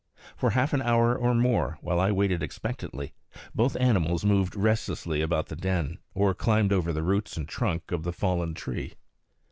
For half an hour or more, while I waited expectantly, both animals moved restlessly about the den, or climbed over the roots and trunk of the fallen tree.